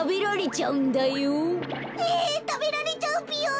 たべられちゃうぴよ。